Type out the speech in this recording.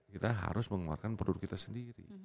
kita harus mengeluarkan produk kita sendiri